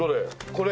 これ？